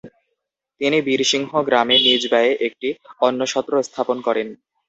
তিনি বীরসিংহ গ্রামে নিজ ব্যয়ে একটি অন্নসত্র স্থাপন করেন।